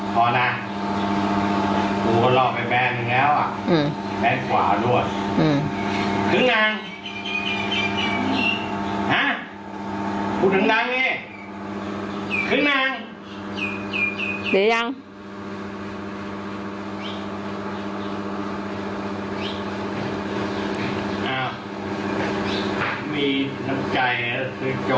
พอนะพูดว่าเราไปแบรนด์หนึ่งแล้วอ่ะอืม